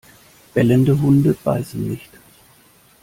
Bellende Hunde beißen nicht!